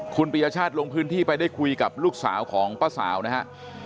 คุณปียชาติลงพื้นที่ไปได้คุยกับลูกสาวของป้าสาวนะครับ